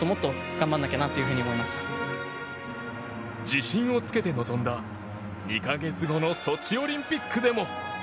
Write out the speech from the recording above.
自信をつけて臨んだ２か月後のソチオリンピックでも。